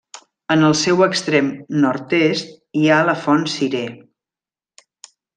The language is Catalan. En el seu extrem nord-est hi ha la Font Cirer.